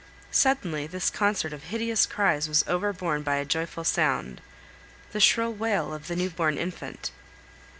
Suddenly this concert of hideous cries was overborne by a joyful sound the shrill wail of the newborn infant.